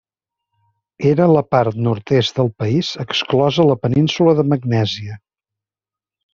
Era la part nord-est del país exclosa la península de Magnèsia.